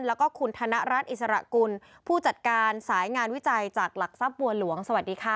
แล้วก็คุณธนรัฐอิสระกุลผู้จัดการสายงานวิจัยจากหลักทรัพย์บัวหลวงสวัสดีค่ะ